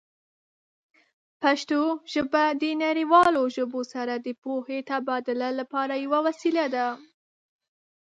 پښتو ژبه د نړیوالو ژبو سره د پوهې تبادله لپاره یوه وسیله ده.